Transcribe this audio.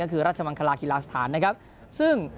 ก็คือราชวรรณคลาฯคิดละสถาน